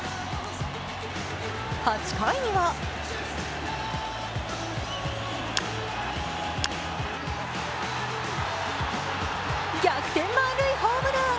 ８回には逆転満塁ホームラン！